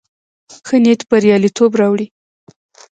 ښه نيت برياليتوب راوړي.